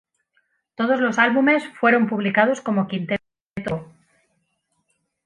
Todos los álbumes fueron publicados como Quinteto Tiempo.